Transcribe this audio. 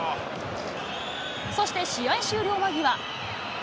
そして試合終了間際。